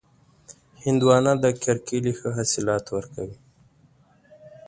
هندوانه د کرکېلې ښه حاصلات ورکوي.